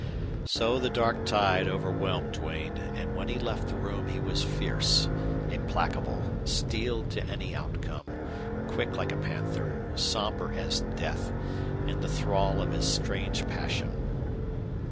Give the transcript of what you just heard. So the dark tide overwhelmed Duane, and when he left the room he was fierce, implacable, steeled to any outcome, quick like a panther, somber as death, in the thrall of his strange passion.